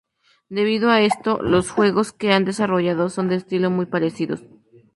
Debido a esto, los juegos que han desarrollado son de estilos muy parecidos.